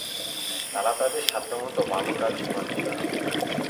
তারা তাদের সাধ্যমত ভাল কাজই করেছে।